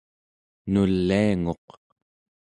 nulianguq